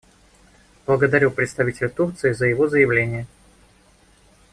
Благодарю представителя Турции за его заявление.